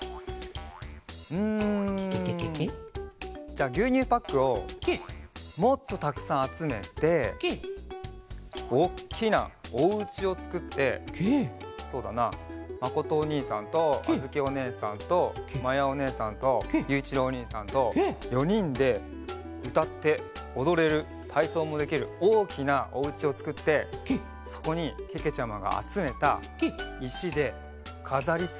じゃあぎゅうにゅうパックをもっとたくさんあつめておっきなおうちをつくってそうだなまことおにいさんとあづきおねえさんとまやおねえさんとゆういちろうおにいさんと４にんでうたっておどれるたいそうもできるおおきなおうちをつくってそこにけけちゃまがあつめたいしでかざりつけをするのはどう？